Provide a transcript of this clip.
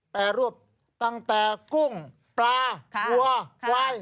แปรรูปตั้งแต่กุ้งปลาหัววาย